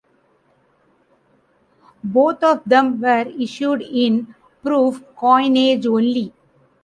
Both of them were issued in proof coinage only.